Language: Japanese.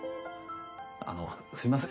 あのすみません。